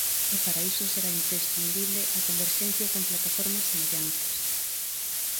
E para iso será imprescindíbel a converxencia con plataformas semellantes.